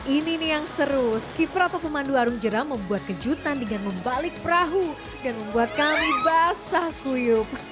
ini nih yang seru skipra atau pemandu arung jeram membuat kejutan dengan membalik perahu dan membuat kami basah kuyuk